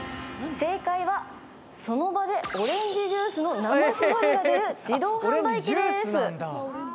正解はその場でオレンジジュースの生搾りが出る自動販売機です。